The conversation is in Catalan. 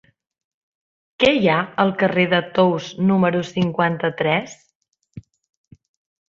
Què hi ha al carrer de Tous número cinquanta-tres?